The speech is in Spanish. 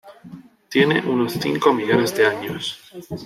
Tiene unos cinco millones de años.